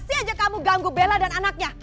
pasti aja kamu ganggu bella dan anaknya